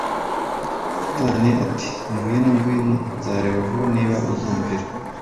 Satani ati: 'Ngwino, ngwino, nzareba vuba niba uzumvira!